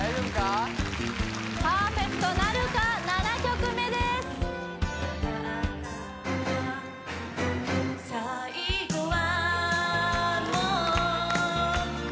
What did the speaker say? パーフェクトなるか７曲目ですさあ判定は？